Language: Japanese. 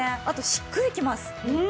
あとしっくりきます。